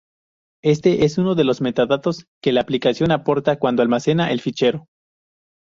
Este es uno de los metadatos que la aplicación aporta cuando almacena el fichero.